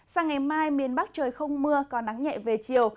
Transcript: sang ngày mai miền bắc trời không mưa có nắng nhẹ về chiều